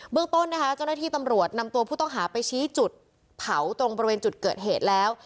เรื่องต้นนะคะเจ้าหน้าที่ตำรวจนำตัวผู้ต้องหาไปชี้จุดเผาตรงบริเวณจุดเกิดเหตุแล้ว